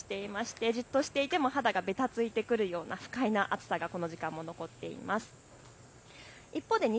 蒸し蒸しとしていましてじっとしていても肌がべたついてくるような不快な暑さがこの時間も残っています。